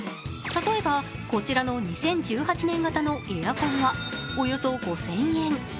例えばこちらの２０１８年型のエアコンは、およそ５０００円。